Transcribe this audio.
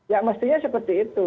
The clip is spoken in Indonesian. ya mestinya seperti itu